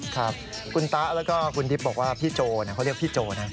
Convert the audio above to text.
ครับคุณตะแล้วก็คุณดิบบอกว่าพี่โจเขาเรียกพี่โจนะ